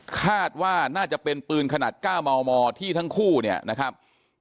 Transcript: คาดว่าน่าจะเป็นปืนขนาด๙มมที่ทั้งคู่เนี่ยนะครับ